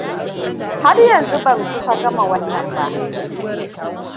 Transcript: Har yanzu ban kusa gama wannan ba.